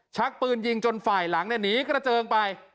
ชักปืนยิงจนฝ่ายหลังหนีกระเจิงไป